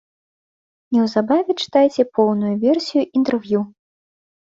Неўзабаве чытайце поўную версію інтэрв'ю.